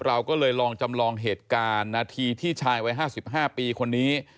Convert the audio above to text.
เราก็เลยลองจำลองเหตุการณ์นาทีที่ชายวัย๕๕ปีคนนี้